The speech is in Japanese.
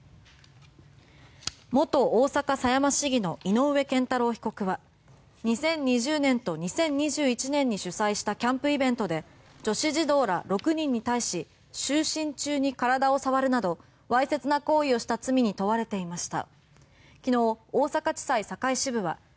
元大阪狭山市議の井上健太郎被告は２０２０年と２０２１年に主催したキャンプイベントで女子児童ら６人に対し就寝中に体を触るなどわいせつな行為をした罪に問われていました。